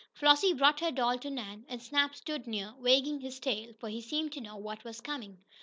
Flossie brought her doll to Nan, and Snap stood near, wagging his tail, for he seemed to know what was coming.